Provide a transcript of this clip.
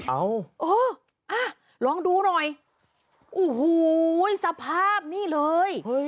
เอาเอออ่ะลองดูหน่อยโอ้โหสภาพนี่เลย